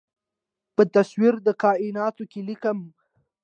په تصویر د کائیناتو کې ليکمه